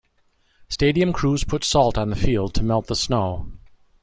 Stadium crews put salt on the field to melt the snow.